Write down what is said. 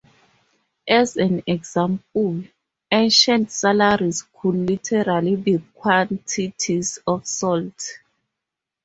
As an example, ancient "salaries" could literally be quantities of salt.